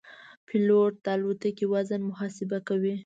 پیلوټ د الوتکې وزن محاسبه کوي.